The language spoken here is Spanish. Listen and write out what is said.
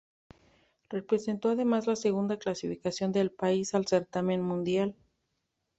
Representó además la segunda clasificación del país al certamen mundial.